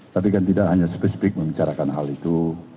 tapi kan tidak hanya spesifik membicarakan hal itu